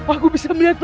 aku bisa berjaya lagi